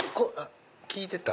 聞いてた？